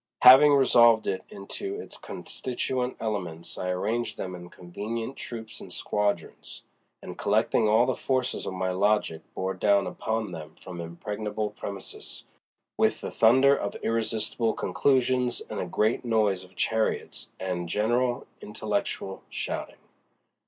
Having resolved it into its constituent elements I arranged them in convenient troops and squadrons, and collecting all the forces of my logic bore down upon them from impregnable premises with the thunder of irresistible conclusions and a great noise of chariots and general intellectual shouting.